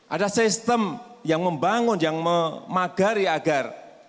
ada sistem yang membangun yang memagari agar